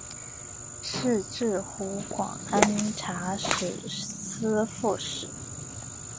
仕至湖广按察使司副使。